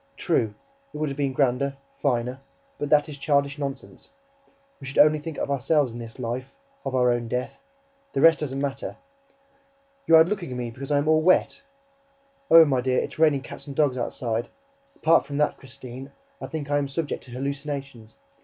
True, it would have been grander, finer ... But that is childish nonsense ... We should only think of ourselves in this life, of our own death ... the rest doesn't matter... YOU'RE LOOKING AT ME BECAUSE I AM ALL WET? ... Oh, my dear, it's raining cats and dogs outside! ... Apart from that, Christine, I think I am subject to hallucinations ...